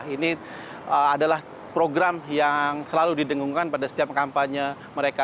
ini adalah program yang selalu didengungkan pada setiap kampanye mereka